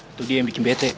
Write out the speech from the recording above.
itu dia yang bikin bete